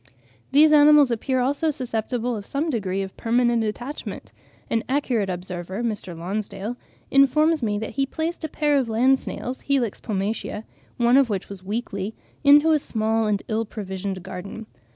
These animals appear also susceptible of some degree of permanent attachment: an accurate observer, Mr. Lonsdale, informs me that he placed a pair of land snails, (Helix pomatia), one of which was weakly, into a small and ill provided garden.